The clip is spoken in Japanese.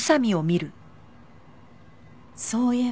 そういえば。